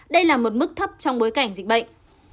đây là một mức thấp trong bối cảnh dịch bệnh